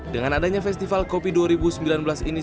dengan adanya festival kopi dua ribu sembilan belas ini